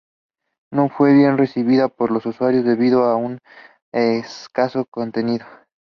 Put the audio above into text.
No fue bien recibida por los usuarios debido a su escaso contenido.